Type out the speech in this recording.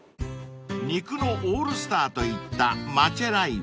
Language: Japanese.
［肉のオールスターといったマチェライオ］